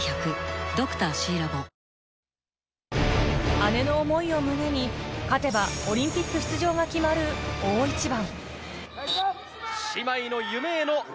姉の思いを胸に勝てばオリンピック出場が決まる大一番。